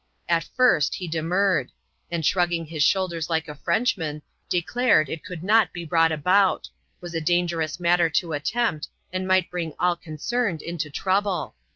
At first, he demurred ; and shrugging his shoulders like a Frenchman, declared it could not be brought about — was a dangerous matter to attempt, and might bring all concerned into trouble.